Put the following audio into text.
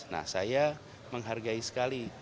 nah saya menghargai sekali